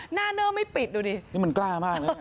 หน้าเนอร์ไม่ปิดดูดินี่มันกล้ามากนะ